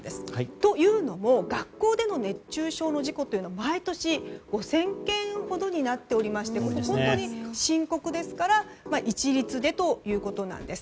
というのも学校での熱中症の事故は毎年５０００件ほどになっておりまして深刻ですから一律でということなんです。